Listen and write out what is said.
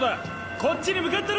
こっちに向かってる！